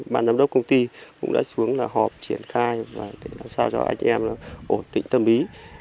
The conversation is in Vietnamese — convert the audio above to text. ban giám đốc công ty cũng đã xuống là họp triển khai và để làm sao cho anh em ổn định tâm lý